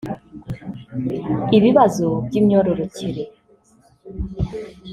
ibibazo by’imyororokere